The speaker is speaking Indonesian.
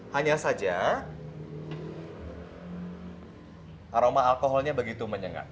hanya saja aroma alkoholnya begitu menyengat